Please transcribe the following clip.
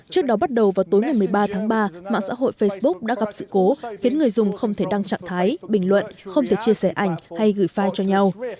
trước đó bắt đầu vào tối ngày một mươi ba tháng ba mạng xã hội facebook đã gặp sự cố khiến người dùng không thể đăng trạng thái bình luận không thể chia sẻ ảnh hay gửi file cho nhau